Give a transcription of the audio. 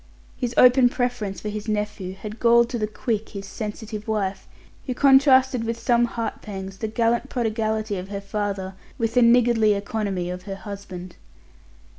His open preference for his nephew had galled to the quick his sensitive wife, who contrasted with some heart pangs the gallant prodigality of her father with the niggardly economy of her husband.